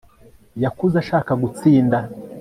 Yakuze ashaka gutsinda